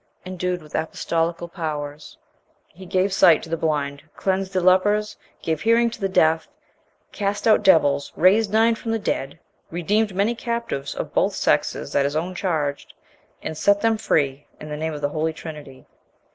Endued with apostolical powers, he gave sight to the blind, cleansed the lepers, gave hearing to the deaf, cast out devils, raised nine from the dead, redeemed many captives of both sexes at his own charge, and set them free in the name of the Holy Trinity.